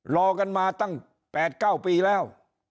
รอกันมาตั้ง๘๙ปีแล้ว